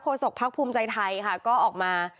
โคสกพรรคภูมิใจไทยค่ะก็ออกมา